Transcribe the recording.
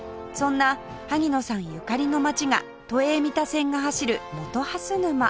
そんな萩野さんゆかりの街が都営三田線が走る本蓮沼